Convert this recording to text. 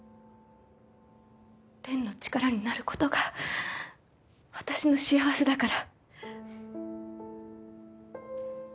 の力になる事が私の幸せだから。